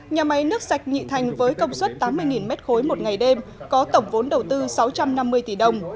nhà máy nước sạch nhị thành với công suất tám mươi m ba một ngày đêm có tổng vốn đầu tư sáu trăm năm mươi tỷ đồng